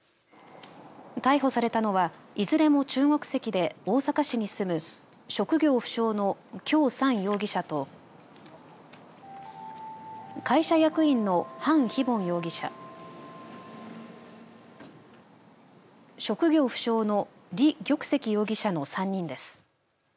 逮捕されたのはいずれも中国籍で大阪市に住む職業不詳の姜山容疑者と会社役員の樊非凡容疑者職業不詳の李玉碩容疑者の３人です。